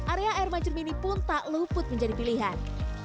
area air mancermini pun tak luput menjadi pilihan